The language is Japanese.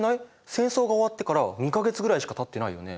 戦争が終わってから２か月ぐらいしかたってないよね？